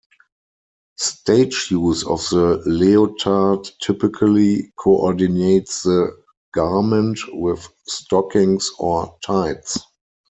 Stage use of the leotard typically coordinates the garment with stockings or tights.